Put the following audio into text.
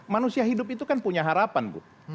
manusia hidup itu kan punya harapan bu